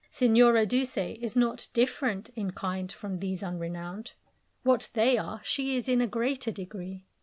Signora Duse is not different in kind from these unrenowned. What they are, she is in a greater degree.